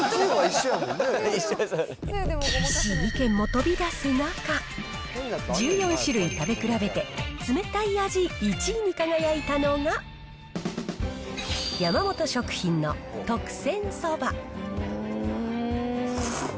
厳しい意見も飛び出す中、１４種類食べ比べて、冷たい味１位に輝いたのが、山本食品の特選そば。